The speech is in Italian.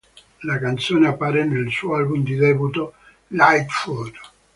La canzone appare nel suo album di debutto "Lightfoot!